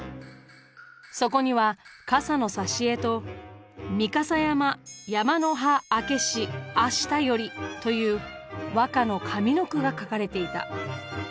そこには傘の挿絵と「みかさ山やまの端明けし朝より」という和歌の上の句が書かれていた。